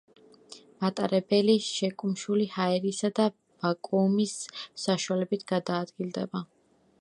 მატარებელი შეკუმშული ჰაერისა და ვაკუუმის საშუალებით გადაადგილდება.